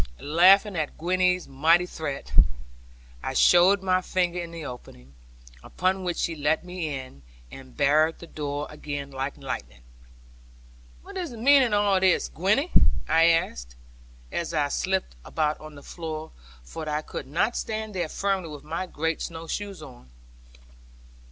Laughing at Gwenny's mighty threat, I showed my finger in the opening; upon which she let me in, and barred the door again like lightning. 'What is the meaning of all this, Gwenny?' I asked, as I slipped about on the floor, for I could not stand there firmly with my great snow shoes on.